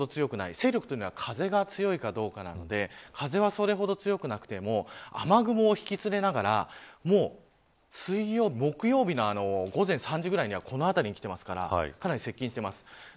勢力というのは風が強いかどうかなので風は、それほど強くなくても雨雲を引き連れながら木曜日の午前３時ぐらいにはこの辺りに来てますからかなり接近してます。